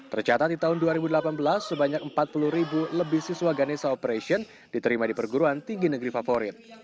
tercatat di tahun dua ribu delapan belas sebanyak empat puluh ribu lebih siswa ganesa operation diterima di perguruan tinggi negeri favorit